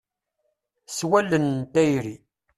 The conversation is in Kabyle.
S wallen n tayri.